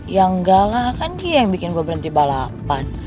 yang gak lah kan dia yang bikin gue berhenti balapan